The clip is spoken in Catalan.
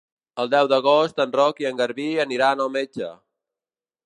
El deu d'agost en Roc i en Garbí aniran al metge.